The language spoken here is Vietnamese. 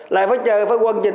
lại phải chờ phải quân chính